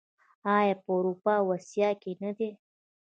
آیا په اروپا او اسیا کې نه دي؟